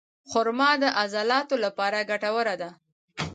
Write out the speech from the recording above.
خرما د عضلاتو لپاره ګټوره ده.